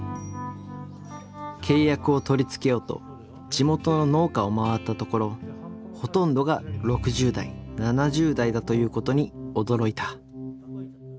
契約を取りつけようと地元の農家を回ったところほとんどが６０代７０代だということに驚いた。